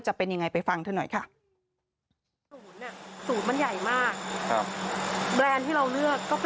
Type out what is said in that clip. จะเป็นอย่างไรไปฟังเท่านั้นหน่อยค่ะ